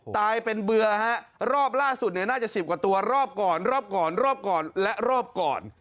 ตายเป็นเบื่อฮะรอบล่าสุดเนี่ยน่าจะ๑๐กว่าตัวรอบก่อนรอบก่อนรอบก่อนและรอบก่อน